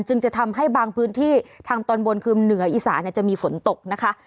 จึงจะทำให้บางพื้นที่ทางตอนบนคือเหนืออีสานจะมีฝนตกนะคะ